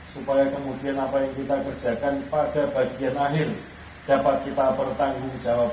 supaya kemudian apa yang kita kerjakan pada bagian akhir dapat kita pertanggungjawab